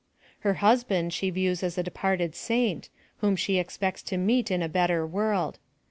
Her husband she views as a departed saint, whom she expects to meet in a better world.